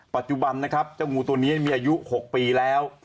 ปัจจุบันนะครับเจ้างูตัวนี้มีอายุ๖ปีแล้ว